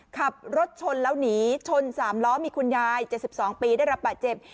ขับรถชนแล้วหนีชน๓ล้อมีคุณยาย๗๒ปีได้รับบาดเจ็บ